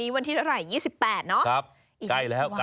วันที่นี้ล่ะ๒๘เนอะ